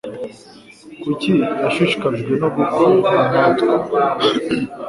Kuki yashishikajwe no gukorana natwe?